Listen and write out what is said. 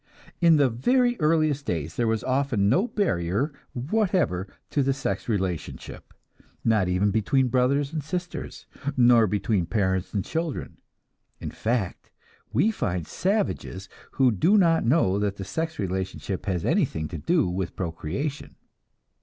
In the very earliest days there was often no barrier whatever to the sex relationship; not even between brothers and sisters, nor between parents and children. In fact, we find savages who do not know that the sex relationship has anything to do with procreation.